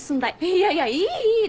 いやいやいいいい。